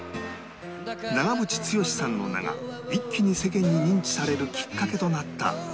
長渕剛さんの名が一気に世間に認知されるきっかけとなった『順子』